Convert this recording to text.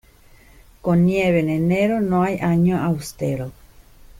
Con nieve en enero, no hay año austero.